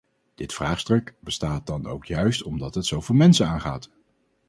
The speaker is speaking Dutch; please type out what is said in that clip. Dit vraagstuk bestaat dan ook juist omdat het zoveel mensen aangaat.